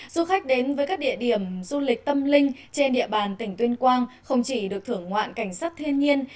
du khách đến với các địa điểm du lịch tâm linh trên địa bàn tỉnh tuyên quang không chỉ được thưởng ngoạn cảnh sắc thiên nhiên